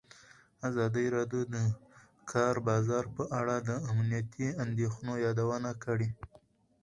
ازادي راډیو د د کار بازار په اړه د امنیتي اندېښنو یادونه کړې.